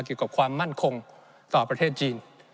เกี่ยวกับความมั่นคงต่อประเทศจีน